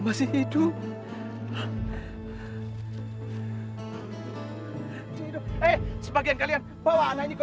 bantu bantu bantu